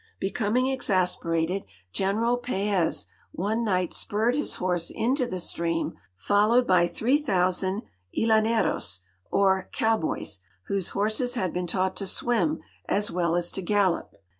Becoming exasperated. General Paez one niglit spurred his horse into the stream, followed by three thousand llaueros, or cowboys, whose horses had been taught to swim as well as to gallop.